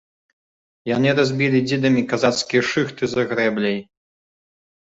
Яны разбілі дзідамі казацкія шыхты за грэбляй.